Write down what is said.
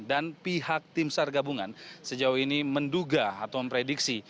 dan pihak tim sargabungan sejauh ini menduga atau memprediksi